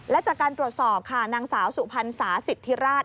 และจากการตรวจสอบค่ะนางสาวสุพรรณสาสิทธิราช